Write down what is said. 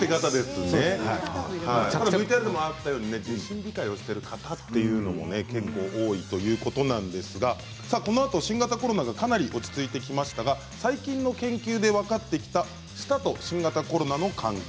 ＶＴＲにもあったように受診控えをしている方も結構多いということなんですがこのあと新型コロナがかなり落ち着いてきましたが最近の研究で分かってきた舌と新型コロナの関係。